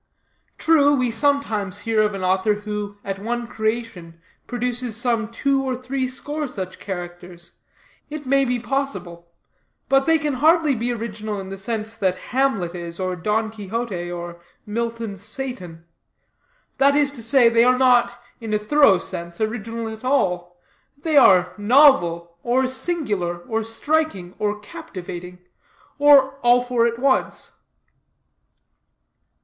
True, we sometimes hear of an author who, at one creation, produces some two or three score such characters; it may be possible. But they can hardly be original in the sense that Hamlet is, or Don Quixote, or Milton's Satan. That is to say, they are not, in a thorough sense, original at all. They are novel, or singular, or striking, or captivating, or all four at once.